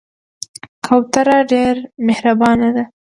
کوتره ډېر مهربانه ده.